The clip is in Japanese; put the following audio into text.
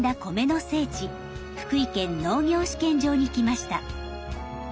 福井県農業試験場に来ました。